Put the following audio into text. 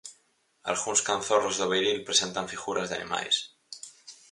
Algúns canzorros do beiril presentan figuras de animais.